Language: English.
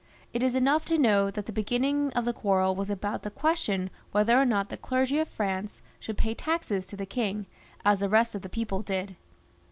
It is enough to know that the beginning of the quarrel was about the ques tion whether or not the clergy of France should pay taxes to the king, as the rest of the people did.